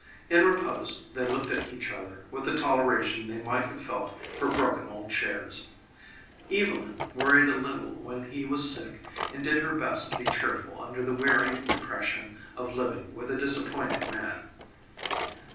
In repose they looked at each other with the toleration they might have felt for broken old chairs; Evylyn worried a little when he was sick and did her best to be cheerful under the wearying depression of living with a disappointed man.